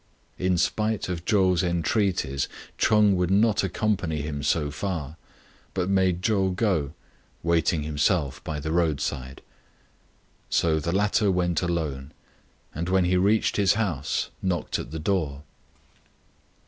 In spite of Chou's entreaties, Ch'eng would not accompany him so far, but made Chou go, waiting himself by the roadside. So the latter went alone, and when he reached his house, knocked at the door.